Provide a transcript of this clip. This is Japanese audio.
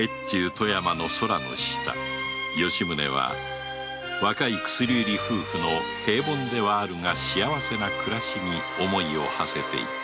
富山の空の下吉宗は若い薬売り夫婦の平凡ではあるが幸せな暮らしに思いを馳せていた